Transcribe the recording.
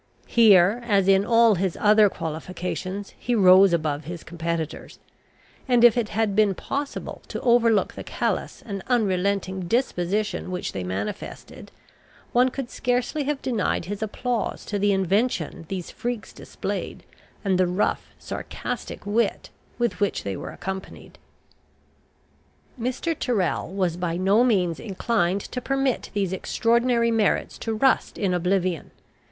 Here, as in all his other qualifications, he rose above his competitors; and if it had been possible to overlook the callous and unrelenting disposition which they manifested, one could scarcely have denied his applause to the invention these freaks displayed, and the rough, sarcastic wit with which they were accompanied. Mr. Tyrrel was by no means inclined to permit these extraordinary merits to rust in oblivion.